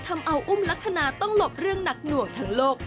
ทำเอาอุ้มลักษณะต้องหลบเรื่องหนักหน่วงทั้งโลก